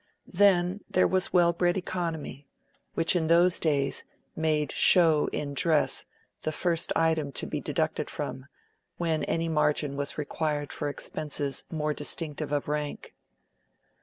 Then there was well bred economy, which in those days made show in dress the first item to be deducted from, when any margin was required for expenses more distinctive of rank.